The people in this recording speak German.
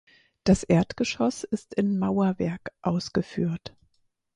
Das Erdgeschoss ist in Mauerwerk ausgeführt.